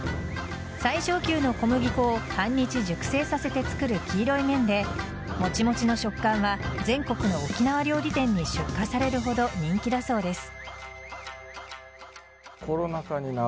最上級の小麦粉を半日熟成させて作る黄色い麺でもちもちの食感は全国の沖縄料理店に出荷されるほど人気だそうです。